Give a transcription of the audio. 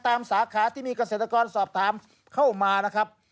สาขาที่มีเกษตรกรสอบถามเข้ามานะครับ